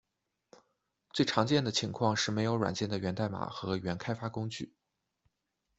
最常见的情况是没有软件的源代码和原开发工具。